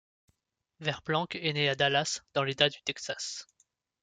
Verplank est né à Dallas dans l'État du Texas.